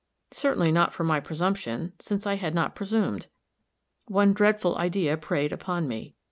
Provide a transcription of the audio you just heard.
Certainly not for my presumption, since I had not presumed. One dreadful idea preyed upon me.